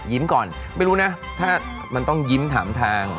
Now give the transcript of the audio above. ก่อนไม่รู้นะถ้ามันต้องยิ้มถามทาง